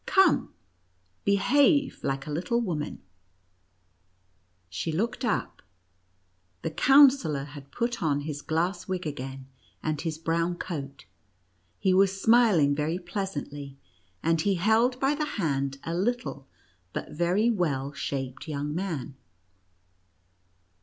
Come ■— behave like a little woman I" She looked up ; the Counsellor had put on his glass wig again, and his brown coat ; he was smiling very pleasantly, and he held by the hand a little but very well shaped young man.